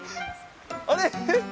あれ？